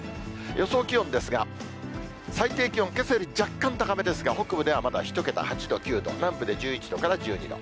予想気温ですが、最低気温、けさより若干高めですが、北部ではまだ１桁、８度、９度、南部で１１度から１２度。